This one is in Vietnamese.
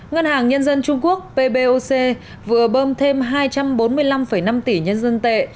ngân hàng nhân dân trung quốc pboc vừa bơm thêm hai trăm bốn mươi năm năm tỷ nhân dân tệ